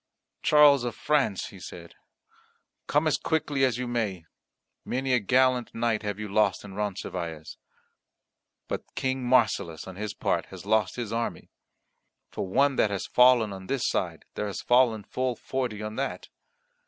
"Charles of France," he said, "come as quickly as you may, many a gallant knight have you lost in Roncesvalles. But King Marsilas, on his part, has lost his army. For one that has fallen on this side there has fallen full forty on that."